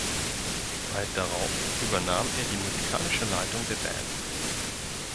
Bald darauf übernahm er die musikalische Leitung der Band.